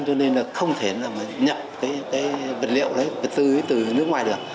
cho nên là không thể mà nhập cái vật liệu đấy vật tư ấy từ nước ngoài được